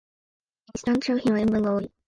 インスタント食品は塩分が多い